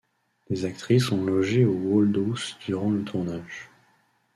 Les actrices ont logé au Waldhaus durant le tournage.